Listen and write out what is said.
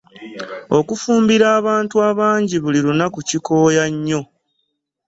Okufumbira abantu abangi buli lunaku kikooya nnyo.